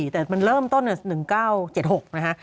แต่มันเริ่มต้น๑๙๗๖นะฮะ